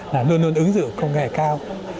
là luôn luôn ứng dụng công nghệ cao